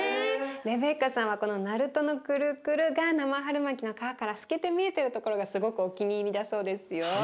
レベッカさんはこのなるとのクルクルが生春巻の皮から透けて見えてるところがすごくお気に入りだそうですよ。